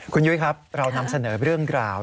คุณยุ้ยครับเรานำเสนอเรื่องกล่าว